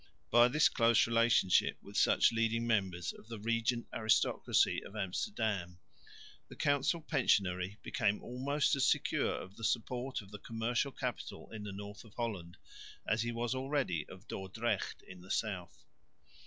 By this close relationship with such leading members of the regent aristocracy of Amsterdam the council pensionary became almost as secure of the support of the commercial capital in the north of Holland, as he was already of Dordrecht in the south.